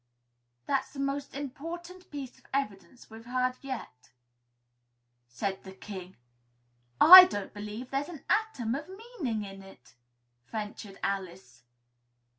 "That's the most important piece of evidence we've heard yet," said the King. "I don't believe there's an atom of meaning in it," ventured Alice.